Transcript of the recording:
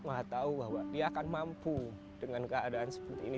maha tahu bahwa dia akan mampu dengan keadaan seperti ini